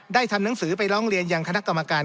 ได้ทำหนังสือไปล้องเรียนอย่างคณัฑกรรมการ